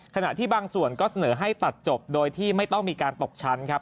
ขณะที่บางส่วนก็เสนอให้ตัดจบโดยที่ไม่ต้องมีการตกชั้นครับ